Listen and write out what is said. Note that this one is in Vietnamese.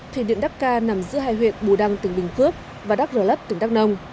thủy điện đắc ca nằm giữa hai huyện bù đăng tỉnh bình phước và đắk rờ lấp tỉnh đắk nông